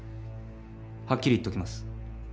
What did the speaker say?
はっきり言っときます。